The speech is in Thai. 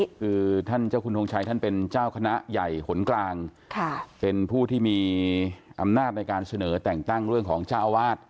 คือท่านเจ้าคุณทงชัยท่านเป็นเจ้าคณะใหญ่หนกลางค่ะเป็นผู้ที่มีอำนาจในการเสนอแต่งตั้งเรื่องของเจ้าอาวาส